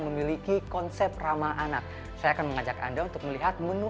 memiliki konsep ramah anak saya akan mengajak anda untuk melihat menu